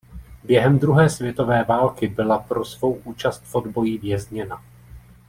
Během druhé světové války byla pro svou účast v odboji vězněna.